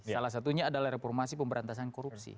salah satunya adalah reformasi pemberantasan korupsi